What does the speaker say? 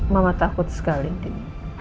mama takut sekali din